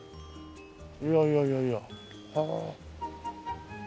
いやいやいやいやはあ。